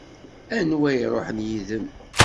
Anwa i iṛuḥen yid-m?